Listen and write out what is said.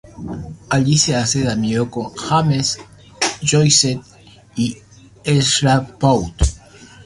Allí se hace amigo de James Joyce y Ezra Pound.